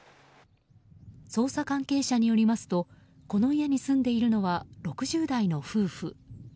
捜査関係者によりますとこの家に住んでいるのは６０代の夫婦。